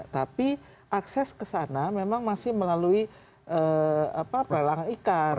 tapi akses ke sana memang masih melalui pelelangan ikan